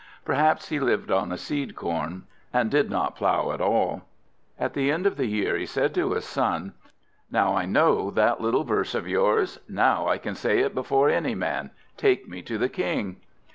Perhaps he lived on the seed corn, and did not plough at all. At the end of the year he said to his son: "Now I know that little verse of yours! Now I can say it before any man! Take me to the King!"